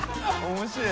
面白い。